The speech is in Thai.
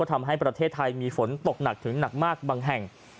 ทำให้ประเทศไทยมีฝนตกหนักถึงหนักมากบางแห่ง